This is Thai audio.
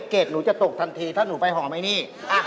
เกรดหนูจะตกทันทีถ้าหนูไปหอมไอ้นี่